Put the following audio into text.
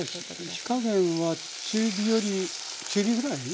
火加減は中火より中火ぐらい？ですか？